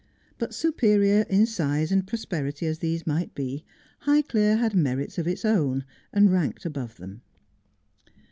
But superior in size and prosperity as these might be, Highclere had merits of its own, and ranked above them.